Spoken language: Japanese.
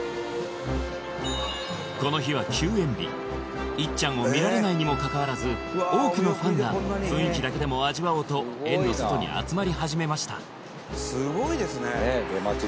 この日は休園日イッちゃんを見られないにもかかわらず多くのファンが雰囲気だけでも味わおうと園の外に集まり始めました